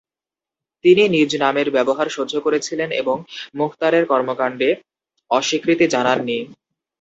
তিনি নিজ নামের ব্যবহার সহ্য করেছিলেন এবং মুখতারের কর্মকাণ্ডে অস্বীকৃতি জানাননি।